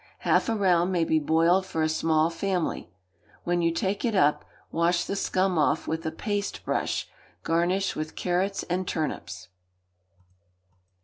Half a round may be boiled for a small family. When you take it up, wash the scum off with a paste brush garnish with carrots and turnips.